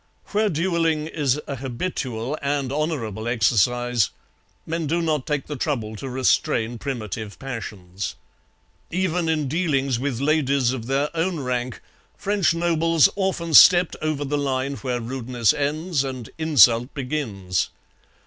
Where duelling is a habitual and honourable exercise, men do not take the trouble to restrain primitive passions. Even in dealings with ladies of their own rank, French nobles often stepped over the line where rudeness ends and insult begins.